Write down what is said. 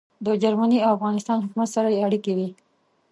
د جرمني او افغانستان حکومت سره يې اړیکې وې.